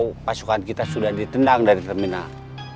bisa lebih gawat kalau pasukan kita sudah ditendang dari terminal